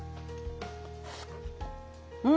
うん！